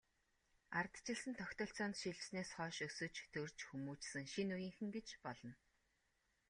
Ардчилсан тогтолцоонд шилжсэнээс хойш өсөж, төрж хүмүүжсэн шинэ үеийнхэн гэж болно.